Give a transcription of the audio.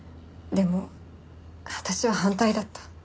でも私は反対だった。